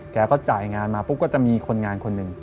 แกก็จ่ายงานมาปุ๊บก็จะมีคนงานคนหนึ่ง